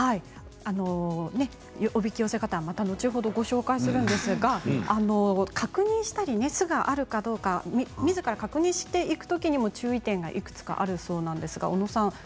おびき寄せ方は後ほどご紹介するんですが確認したり、巣があるかどうかみずから確認していくときにも注意点がいくつかあるそうです。